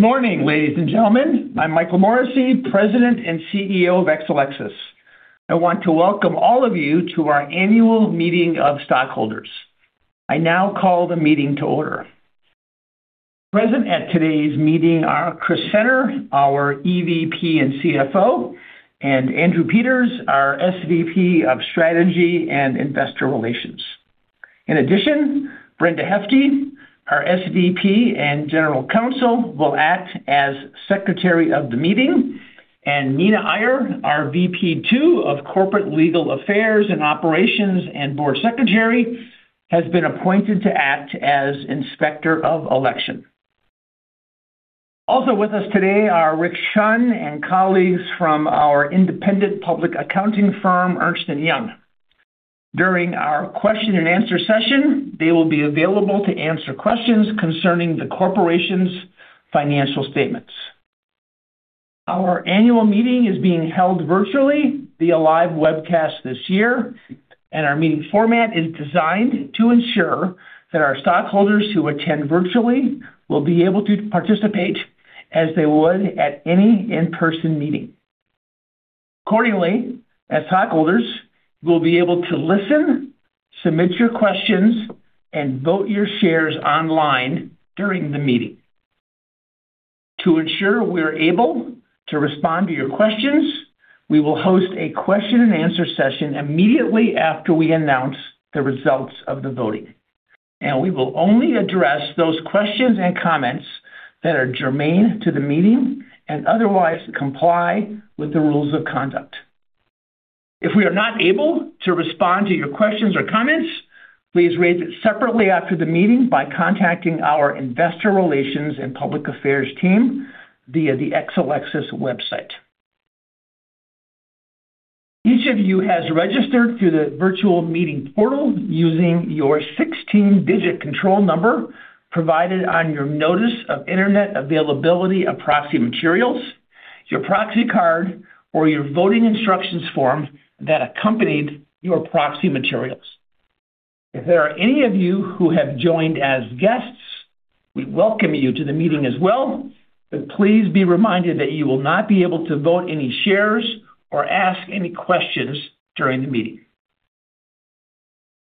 Good morning, ladies and gentlemen. I'm Michael Morrissey, President and CEO of Exelixis. I want to welcome all of you to our annual meeting of stockholders. I now call the meeting to order. Present at today's meeting are Chris Senner, our EVP and CFO, and Andrew Peters, our SVP of Strategy and Investor Relations. In addition, Brenda Hefti, our SVP and General Counsel, will act as Secretary of the meeting, and Nina Iyer, our VP of Corporate Legal Affairs and Operations and Board Secretary, has been appointed to act as Inspector of Election. Also with us today are Rick Shunn and colleagues from our independent public accounting firm, Ernst & Young. During our question-and-answer session, they will be available to answer questions concerning the corporation's financial statements. Our annual meeting is being held virtually via live webcast this year, and our meeting format is designed to ensure that our stockholders who attend virtually will be able to participate as they would at any in-person meeting. Accordingly, as stockholders, you will be able to listen, submit your questions, and vote your shares online during the meeting. To ensure we are able to respond to your questions, we will host a question-and-answer session immediately after we announce the results of the voting, and we will only address those questions and comments that are germane to the meeting and otherwise comply with the rules of conduct. If we are not able to respond to your questions or comments, please raise it separately after the meeting by contacting our investor relations and public affairs team via the Exelixis website. Each of you has registered through the virtual meeting portal using your 16-digit control number provided on your notice of internet availability of proxy materials, your proxy card or your voting instructions form that accompanied your proxy materials. If there are any of you who have joined as guests, we welcome you to the meeting as well, but please be reminded that you will not be able to vote any shares or ask any questions during the meeting.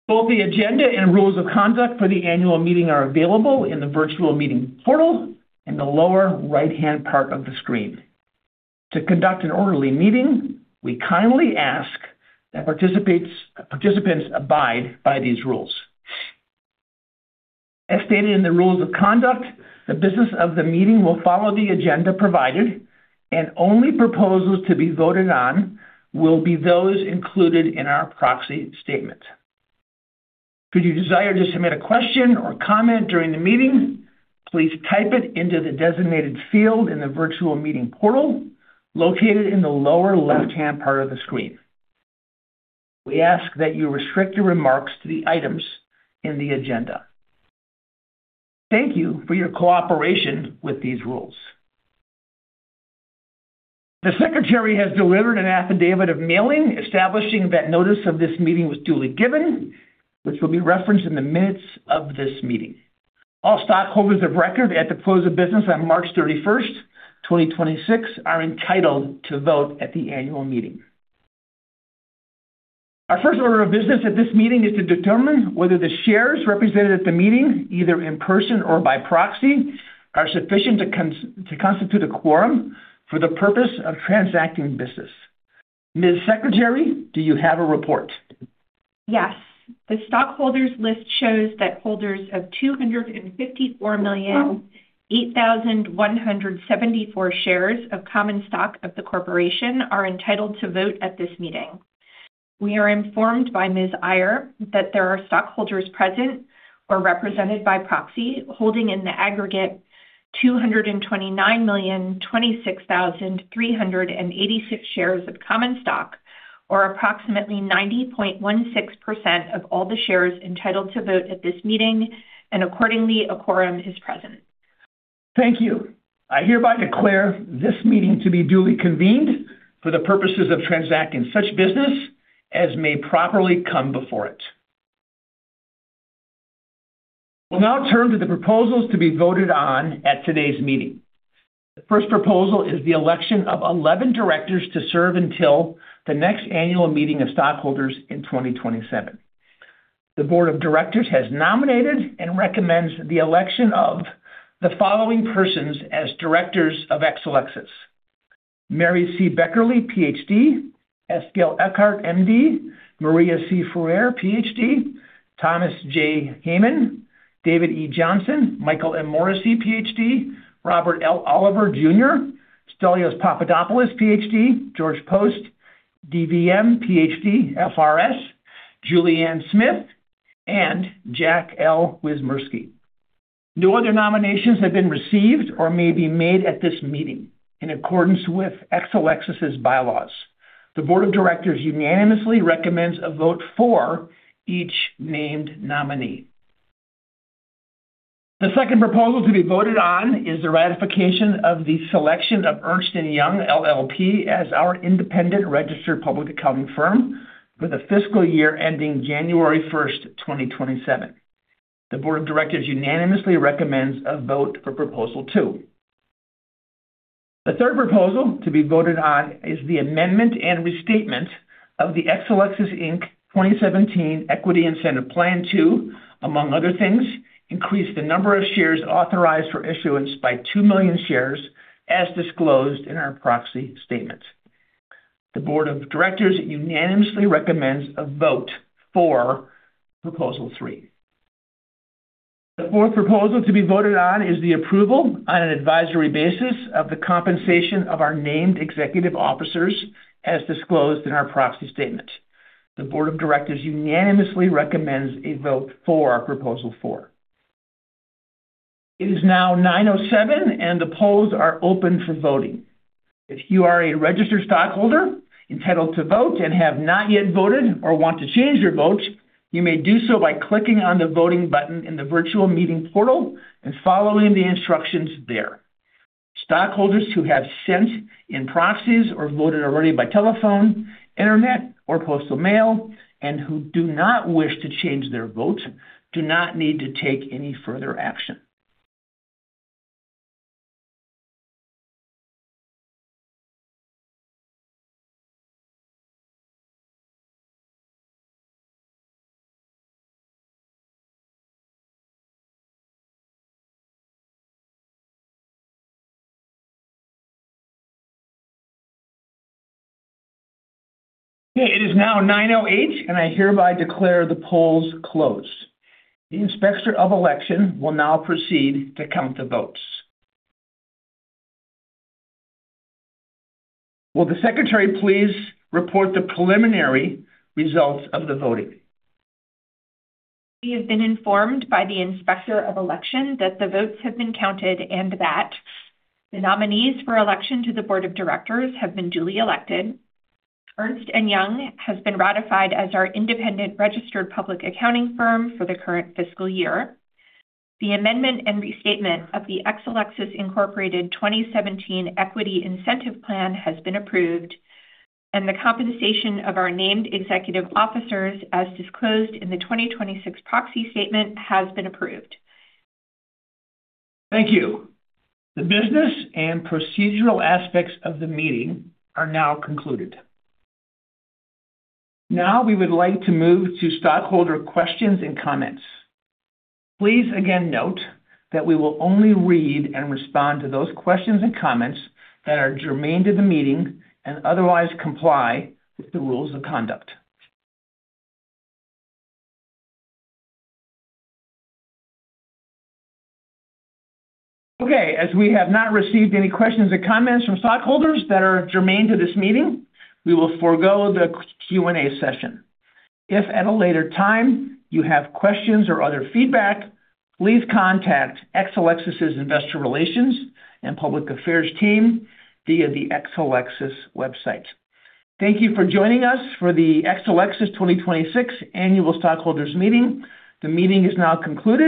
Both the agenda and rules of conduct for the annual meeting are available in the virtual meeting portal in the lower right-hand part of the screen. To conduct an orderly meeting, we kindly ask that participants abide by these rules. As stated in the rules of conduct, the business of the meeting will follow the agenda provided and only proposals to be voted on will be those included in our proxy statement. If you desire to submit a question or comment during the meeting, please type it into the designated field in the virtual meeting portal located in the lower left-hand part of the screen. We ask that you restrict your remarks to the items in the agenda. Thank you for your cooperation with these rules. The secretary has delivered an affidavit of mailing establishing that notice of this meeting was duly given, which will be referenced in the minutes of this meeting. All stockholders of record at the close of business on March 31st, 2026, are entitled to vote at the annual meeting. Our first order of business at this meeting is to determine whether the shares represented at the meeting, either in person or by proxy, are sufficient to constitute a quorum for the purpose of transacting business. Ms. Secretary, do you have a report? Yes. The stockholders list shows that holders of 254,008,174 shares of common stock of the corporation are entitled to vote at this meeting. We are informed by Ms. Iyer that there are stockholders present or represented by proxy, holding in the aggregate 229,026,386 shares of common stock, or approximately 90.16% of all the shares entitled to vote at this meeting, and accordingly, a quorum is present. Thank you. I hereby declare this meeting to be duly convened for the purposes of transacting such business as may properly come before it. We'll now turn to the proposals to be voted on at today's meeting. The first proposal is the election of 11 directors to serve until the next annual meeting of stockholders in 2027. The board of directors has nominated and recommends the election of the following persons as directors of Exelixis: Mary C. Beckerle, PhD, S. Gail Ekhardt], MD, Maria C. Freire, PhD, Tomas J. Heyman, David E. Johnson, Michael M. Morrissey, PhD, Robert L. Oliver, Jr., Stelios Papadopoulos, PhD, George Poste, DVM, PhD, FRS, Julie Anne Smith, and Jack L. Wyszomierski. No other nominations have been received or may be made at this meeting in accordance with Exelixis' bylaws. The board of directors unanimously recommends a vote for each named nominee. The second proposal to be voted on is the ratification of the selection of Ernst & Young LLP as our independent registered public accounting firm with a fiscal year ending January 1st, 2027. The board of directors unanimously recommends a vote for Proposal 2. The third proposal to be voted on is the amendment and restatement of the Exelixis Inc. 2017 Equity Incentive Plan to, among other things, increase the number of shares authorized for issuance by 2 million shares as disclosed in our proxy statement. The board of directors unanimously recommends a vote for Proposal 3. The fourth proposal to be voted on is the approval on an advisory basis of the compensation of our named executive officers as disclosed in our proxy statement. The board of directors unanimously recommends a vote for Proposal 4. It is now 9:07, and the polls are open for voting. If you are a registered stockholder entitled to vote and have not yet voted or want to change your vote, you may do so by clicking on the voting button in the virtual meeting portal and following the instructions there. Stockholders who have sent in proxies or voted already by telephone, internet, or postal mail and who do not wish to change their votes do not need to take any further action. Okay. It is now 9:08. I hereby declare the polls closed. The Inspector of Election will now proceed to count the votes. Will the secretary please report the preliminary results of the voting? She has been informed by the Inspector of Election that the votes have been counted and that the nominees for election to the board of directors have been duly elected. Ernst & Young has been ratified as our independent registered public accounting firm for the current fiscal year. The amendment and restatement of the Exelixis Incorporated 2017 Equity Incentive Plan has been approved. The compensation of our named executive officers as disclosed in the 2026 proxy statement has been approved. Thank you. The business and procedural aspects of the meeting are now concluded. We would like to move to stockholder questions and comments. Please again note that we will only read and respond to those questions and comments that are germane to the meeting and otherwise comply with the rules of conduct. Okay. We have not received any questions or comments from stockholders that are germane to this meeting, we will forego the Q&A session. If at a later time you have questions or other feedback, please contact Exelixis' Investor Relations and Public Affairs team via the Exelixis website. Thank you for joining us for the Exelixis 2026 Annual Stockholders Meeting. The meeting is now concluded.